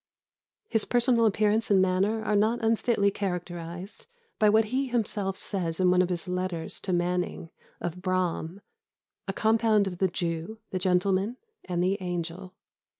His personal appearance and manner are not unfitly characterised by what he himself says in one of his letters to Manning, of Braham, 'a compound of the Jew, the gentleman, and the angel.